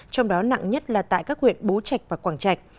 trong đó nặng nhất là tại các huyện bố trạch và quảng trạch